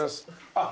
あっ。